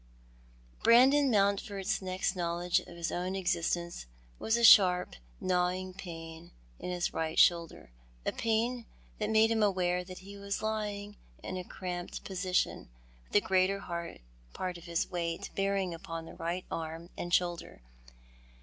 'o'^ Brandon Mountford's next knowledge of nis own existence was a sharp, gnawing pain in his right shoulder, a pain that made him aware that ho was lying in a cramped position, with the greater part of his weight bearing upon the right arm and shoulder.